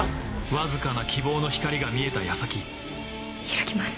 わずかな希望の光が見えた矢先開きます。